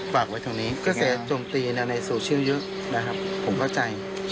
ฝากไว้ตรงนี้กระแสโจมตีในโซเชียลเยอะนะครับผมเข้าใจ